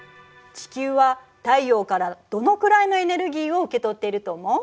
地球は太陽からどのくらいのエネルギーを受け取っていると思う？